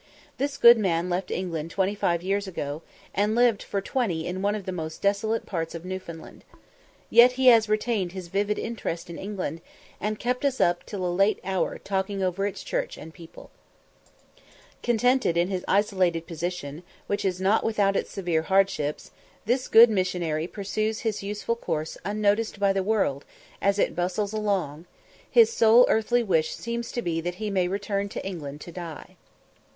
This good man left England twenty five years ago, and lived for twenty in one of the most desolate parts of Newfoundland. Yet he has retained his vivid interest in England, and kept us up till a late hour talking over its church and people. Contented in his isolated position, which is not without its severe hardships, this good missionary pursues his useful course unnoticed by the world as it bustles along; his sole earthly wish seems to be that he may return to England to die.